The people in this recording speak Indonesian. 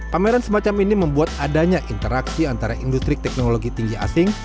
pameran semacam ini membuat adanya interaksi antara industri teknologi tinggi asing